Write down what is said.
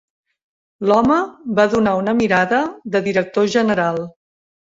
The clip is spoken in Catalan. L'home va donar una mirada de director general